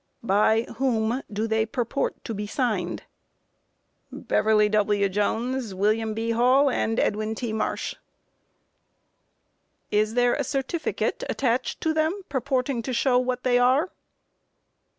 Q. By whom do they purport to be signed? A. Beverly W. Jones, Wm. B. Hall, and Edwin T. Marsh. Q. Is there a certificate attached to them, purporting to show what they are?